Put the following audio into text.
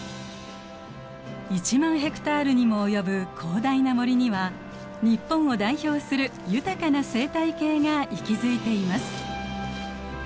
１万ヘクタールにも及ぶ広大な森には日本を代表する豊かな生態系が息づいています。